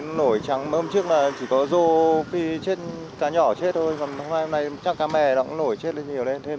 nó nổi trắng nó thối nó um hết cả đường lên